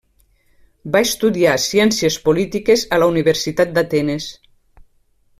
Va estudiar ciències polítiques a la Universitat d'Atenes.